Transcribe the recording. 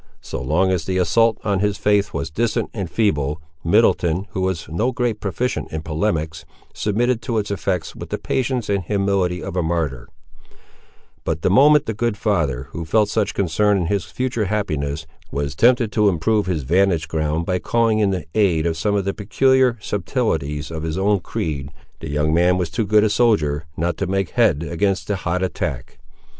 So long as the assault on his faith was distant and feeble, Middleton, who was no great proficient in polemics, submitted to its effects with the patience and humility of a martyr; but the moment the good father, who felt such concern in his future happiness, was tempted to improve his vantage ground by calling in the aid of some of the peculiar subtilties of his own creed, the young man was too good a soldier not to make head against the hot attack.